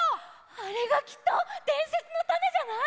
あれがきっとでんせつのタネじゃない？